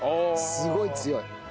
すごい強い。